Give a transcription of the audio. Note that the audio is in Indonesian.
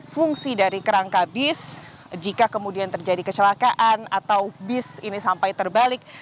fungsi dari kerangka bis jika kemudian terjadi kecelakaan atau bis ini sampai terbalik